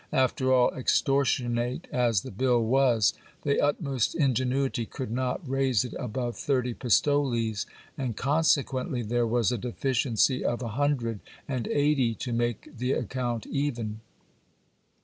After all, extortionate as the bill was, the utmost ingenuity could not raise it above thirty pistoles, and consequently there was a deficiency of a hun dred and eighty to make the account even.